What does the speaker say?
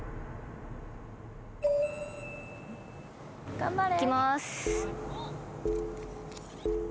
頑張れ！